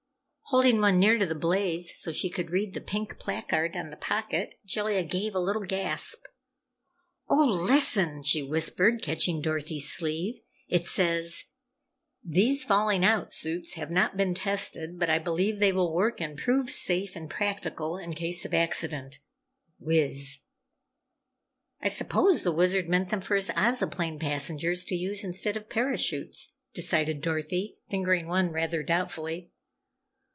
Holding one near to the blaze so she could read the pink placard on the pocket, Jellia gave a little gasp. "Oh, listen!" she whispered, catching Dorothy's sleeve. "It says: '_These falling out suits have not been tested, but I believe they will work and prove safe and practical in case of accident. WIZ._'" "I suppose the Wizard meant them for his Ozoplane passengers to use, instead of parachutes," decided Dorothy, fingering one rather doubtfully.